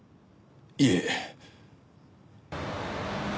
いえ。